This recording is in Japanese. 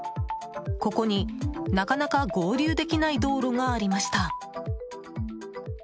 ここに、なかなか合流できない道路がありました。